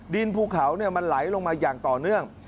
ภูเขามันไหลลงมาอย่างต่อเนื่อง